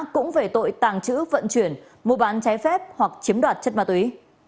cũng về tội tàng trữ vận chuyển mua bán trái phép hoặc chiếm đoạt chất ma túy